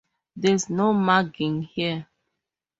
There's no mugging here.